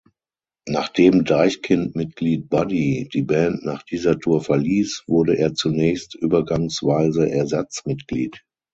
Nachdem Deichkind-Mitglied „Buddy“ die Band nach dieser Tour verließ, wurde er zunächst übergangsweise Ersatzmitglied.